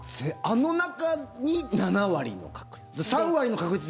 あの中に７割の確率？